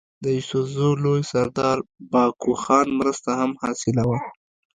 د يوسفزو لوئ سردار بهاکو خان مرسته هم حاصله وه